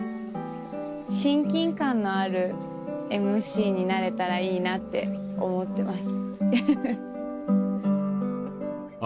親近感のあるＭＣになれたらいいなって思ってます。